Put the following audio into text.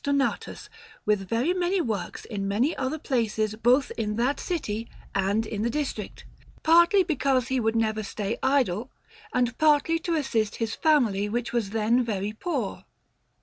Donatus, with very many works in many other places both in that city and in the district, partly because he would never stay idle, and partly to assist his family, which was then very poor.